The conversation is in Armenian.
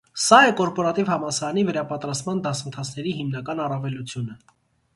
Սա է կորպորատիվ համալսարանի վերապատրաստման դասընթացների հիմնական առավելությունը։